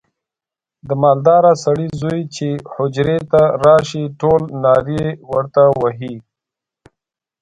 د مالداره سړي زوی چې حجرې ته راشي ټول نارې ورته وهي.